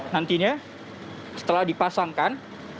nantinya setelah dipasangkan